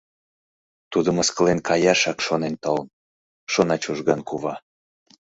Тудо мыскылен каяшак шонен толын...» — шона Чужган кува.